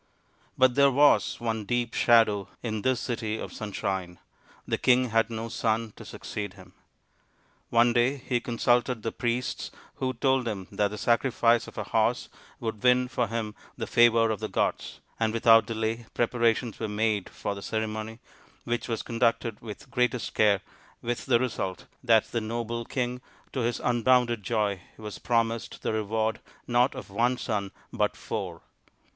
But there was one deep shadow in this city of sunshine. The king had no son to succeed him. One day he consulted the priests, who told him that the sacrifice of a horse would win for him the favour of the gods ; and without delay preparations were made for the ceremony, which was conducted with the greatest care, with the result that the noble 13 i 4 THE INDIAN STORY BOOK king, to his unbounded joy, was promised the reward, not of one son, but four